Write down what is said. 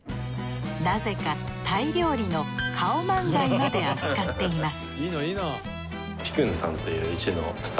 なぜかタイ料理のカオマンガイまで扱っています